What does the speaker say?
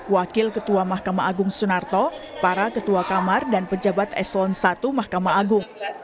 wakil ketua mahkamah agung sunarto para ketua kamar dan pejabat eselon i mahkamah agung